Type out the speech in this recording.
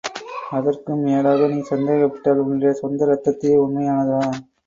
அதற்கும் மேலாக நீ சந்தேகப்பட்டால் உன்னுடைய சொந்த இரத்தத்தையே, உண்மையானதா?